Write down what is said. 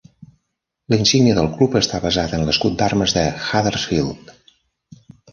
La insígnia del club està basada en l'escut d'armes de Huddersfield.